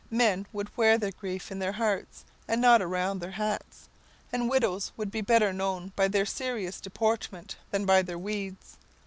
Men would wear their grief in their hearts and not around their hats; and widows would be better known by their serious deportment than by their weeds.